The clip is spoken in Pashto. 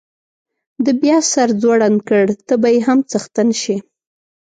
ده بیا سر ځوړند کړ، ته به یې هم څښتن شې.